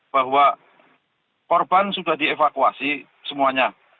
bahwa korban sudah dievakuasi semuanya